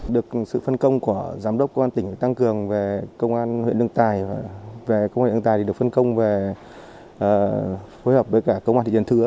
được sự phân công của giám đốc công an tỉnh tăng cường về công an huyện nương tài về công an huyện nương tài thì được phân công về phối hợp với cả công an thị trấn thứa